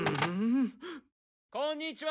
こんにちは！